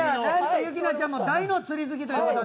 侑那ちゃんも大の釣り好きということで。